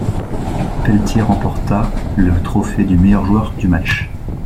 Pelletier remporta le trophée du meilleur joueur du match.